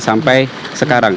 dua ribu sembilan sampai sekarang